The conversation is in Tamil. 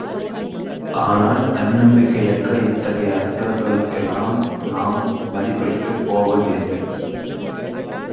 ஆனால் தன்னம்பிக்கையற்ற இத்தகைய அச்சங்களுக்கெல்லாம் நாம் மதிப்பளிக்கப் போவதில்லை.